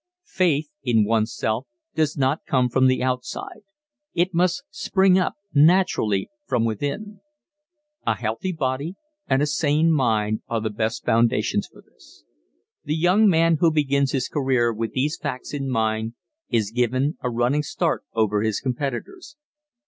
Faith in one's self does not come from the outside it must spring up naturally from within. A healthy body and a sane mind are the best foundations for this. The young man who begins his career with these facts in mind is given a running start over his competitors.